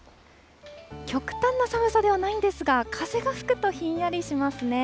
極端な寒さではないんですが、風が吹くとひんやりしますね。